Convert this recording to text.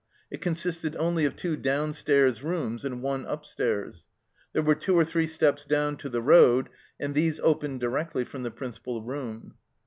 It consisted only of two downstairs rooms and one upstairs. There were two or three steps down to the road, and these opened directly from the principal room.